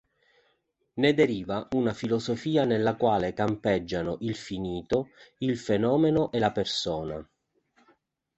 Ne deriva una filosofia nella quale campeggiano il finito, il fenomeno e la persona.